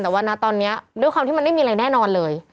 แต่ว่านะตอนนี้ด้วยความที่มันไม่มีอะไรแน่นอนเลย